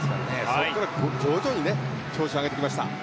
そこから徐々に調子を上げてきました。